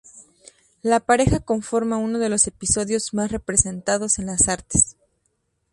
La pareja conforma uno de los episodios más representados en las Artes.